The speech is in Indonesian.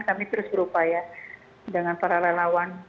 kami terus berupaya dengan para relawan